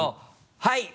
はい！